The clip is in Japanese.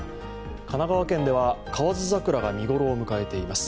神奈川県では河津桜が見ごろを迎えています。